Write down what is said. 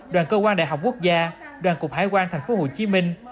đoàn cơ quan đại học quốc gia đoàn cục hải quan thành phố hồ chí minh